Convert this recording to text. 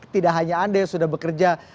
tidak hanya anda yang sudah bekerja